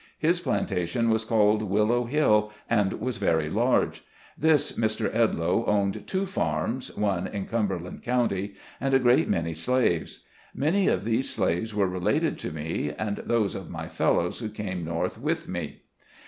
His plantation was called Willow Hill, and was very large. This Mr. Edloe owned two farms (one in Cumberland Co.), and a great many slaves. Many of these slaves were related to me, and those of my fellows who came North with me.